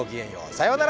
さようなら。